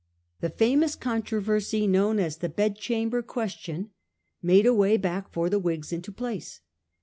The famous controversy known as the 'Bedchamber Question' made a way back for the Whigs into place.